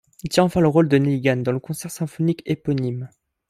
Il tient enfin le rôle de Nelligan, dans le concert symphonique éponyme.